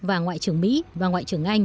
và ngoại trưởng mỹ và ngoại trưởng anh